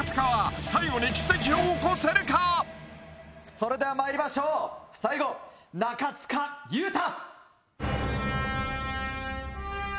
それではまいりましょう最後中務裕太。